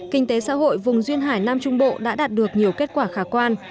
kinh tế xã hội vùng duyên hải nam trung bộ đã đạt được nhiều kết quả khả quan